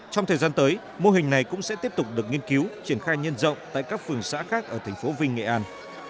trong thời gian tới mô hình này cũng sẽ tiếp tục được nghiên cứu triển khai nhân rộng tại các phường xã khác ở thành phố vinh nghệ an